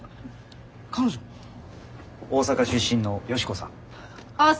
大阪出身のヨシコさん。